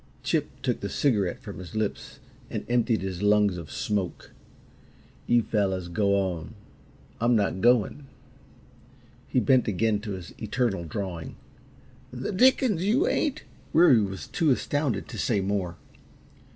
Chip took the cigarette from his lips and emptied his lungs of smoke. "You fellows go on. I'm not going." He bent again to his eternal drawing. "The dickens you ain't!" Weary was too astounded to say more.